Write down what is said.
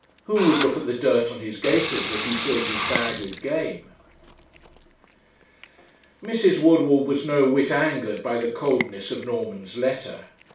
Who would look at the dirt on his gaiters, if he filled his bag with game? Mrs. Woodward was no whit angered by the coldness of Norman's letter.